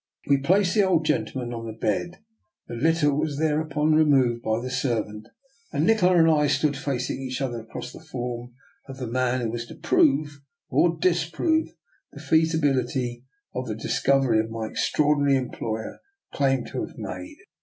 We placed the old gentleman on the bed. The litter was thereupon removed by the ser vant, and Nikola and I stood facing each other across the form of the man who was to prove, or disprove, the feasibility of the dis covery my extraordinary employer claimed to have made.